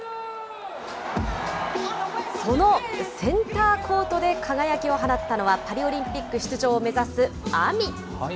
そのセンターコートで輝きを放ったのは、パリオリンピック出場を目指すＡＭＩ。